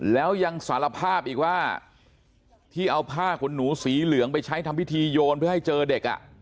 แล้วยังสารภาพอีกว่าที่เอาผ้าขนหนูสีเหลืองไปใช้ทำพิธีโยนเพื่อให้เจอเด็ก